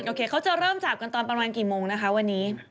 เขาจะเริ่มจับกันตอนประมาณกี่โมงนะคะวันนี้